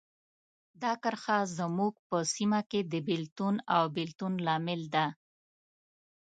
دا کرښه زموږ په سیمو کې د بېلتون او بیلتون لامل ده.